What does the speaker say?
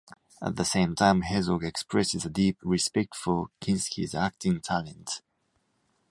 At the same time, Herzog expresses a deep respect for Kinski's acting talent.